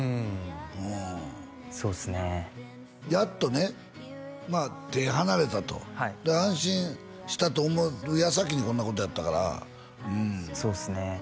うんそうっすねやっとねまあ手離れたとはいで安心したと思う矢先にこんなことやったからうんそうっすね